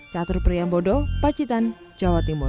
catur priyambodo pacitan jawa timur